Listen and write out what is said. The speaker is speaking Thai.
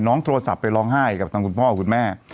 โทรศัพท์ไปร้องไห้กับทางคุณพ่อคุณแม่